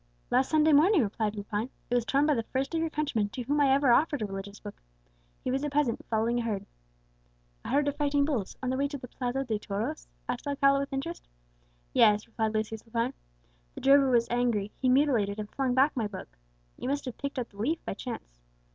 "Last Sunday morning," replied Lepine. "It was torn by the first of your countrymen to whom I ever offered a religious book. He was a peasant, following a herd." "A herd of fighting bulls on the way to the Plaza de Toros?" asked Alcala with interest. "Yes," replied Lucius Lepine. "The drover was angry; he mutilated and flung back my book. You must have picked up the leaf by chance."